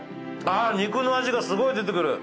あ肉の味がすごい出てくる。